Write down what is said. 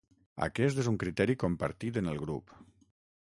Aquest és un criteri compartit en el grup.